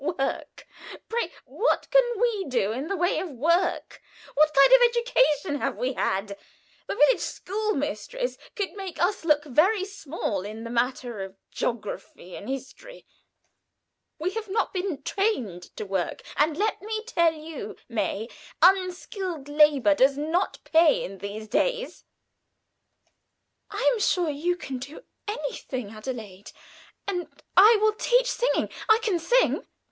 "Work! Pray what can we do in the way of work? What kind of education have we had? The village school mistress could make us look very small in the matter of geography and history. We have not been trained to work, and, let me tell you, May, unskilled labor does not pay in these days." "I am sure you can do anything, Adelaide, and I will teach singing. I can sing."